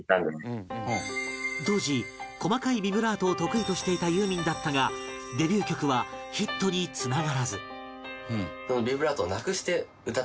当時細かいビブラートを得意としていたユーミンだったがデビュー曲はヒットに繋がらず